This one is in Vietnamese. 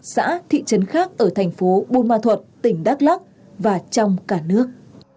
xã thị trấn khác ở thành phố buôn ma thuật tỉnh đắk lắc và trong cả nước